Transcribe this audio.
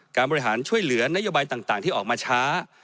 บริหารช่วยเหลือนโยบายต่างที่ออกมาช้า